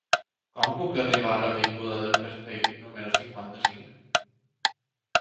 Com puc arribar a l'avinguda del Castell número cinquanta-cinc?